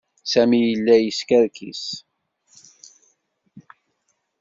Sami yella yeskerkis.